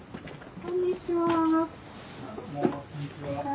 こんにちは。